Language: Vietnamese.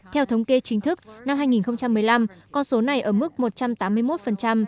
theo thống kê chính thức năm hai nghìn một mươi năm con số này ở mức một trăm tám mươi một